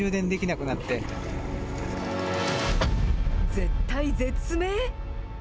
絶体絶命？